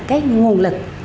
cái nguồn lực